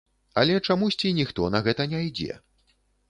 Але чамусьці ніхто на гэта не ідзе.